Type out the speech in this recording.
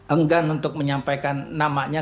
enggan untuk menyampaikan namanya